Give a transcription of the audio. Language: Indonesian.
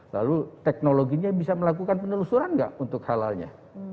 lalu teknologinya bisa melakukan penelusuran nggak untuk halalnya